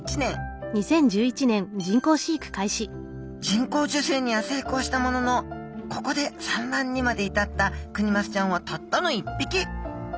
人工授精には成功したもののここで産卵にまで至ったクニマスちゃんはたったの１匹。